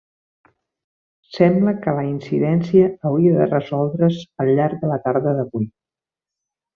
Sembla que la incidència hauria de resoldre's al llarg de la tarda d'avui.